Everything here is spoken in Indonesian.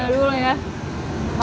ini langsung diigit aja kali ya